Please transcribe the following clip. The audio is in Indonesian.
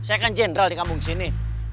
saya kan general dikambung sini